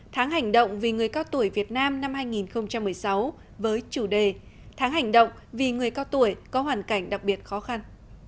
tháng hành động vì người cao tuổi việt nam năm hai nghìn một mươi sáu với chủ đề tháng hành động vì người cao tuổi có hoàn cảnh đặc biệt khó khăn